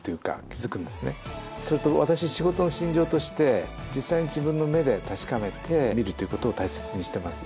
それと私仕事の信条として実際に自分の目で確かめて見るということを大切にしてます。